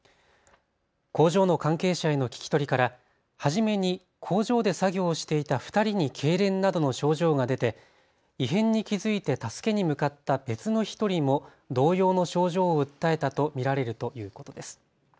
工場の関係者への聞き取りから初めに工場で作業をしていた２人にけいれんなどの症状が出て異変に気付いて助けに向かった別の１人も同様の症状を訴えたと見られるということです。